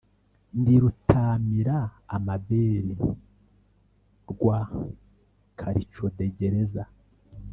Ndi Rutamira amabeli rwa Kalicudegereza,